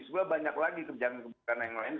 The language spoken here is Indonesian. sebenarnya banyak lagi kebijakan kebijakan yang lain